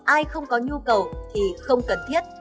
ai không có nhu cầu thì không cần thiết